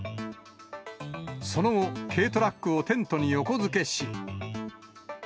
その後、軽トラックをテントに横付けし。